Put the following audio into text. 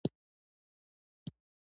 ایا زه باید د کولمو عملیات وکړم؟